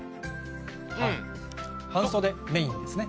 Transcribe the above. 半袖メインですね。